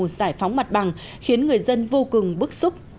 giải phóng mặt bằng khiến người dân vô cùng bức xúc